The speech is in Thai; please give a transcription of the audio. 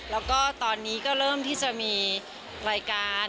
แล้วก็ตอนนี้ก็เริ่มที่จะมีรายการ